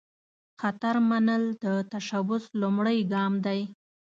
خطر منل، د تشبث لومړۍ ګام دی.